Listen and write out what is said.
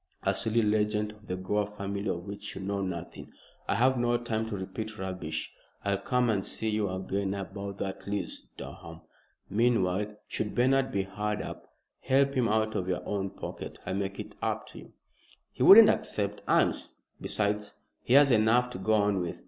"A silly legend of the Gore family of which you know nothing. I have no time to repeat rubbish. I'll come and see you again about that lease, Durham. Meanwhile, should Bernard be hard up, help him out of your own pocket. I'll make it up to you." "He wouldn't accept alms. Besides, he has enough to go on with.